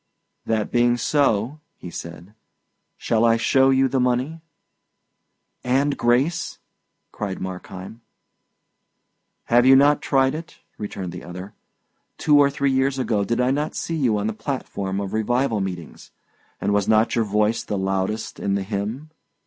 "That being so," he said, "shall I show you the money?" "And grace?" cried Markheim. "Have you not tried it?" returned the other. "Two or three years ago did I not see you on the platform of revival meetings, and was not your voice the loudest in the hymn?"